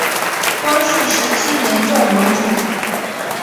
光绪十七年中武举。